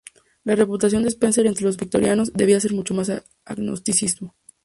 La reputación de Spencer entre los victorianos debía mucho a su agnosticismo.